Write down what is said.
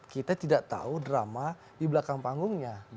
kita tidak tahu drama di belakang panggungnya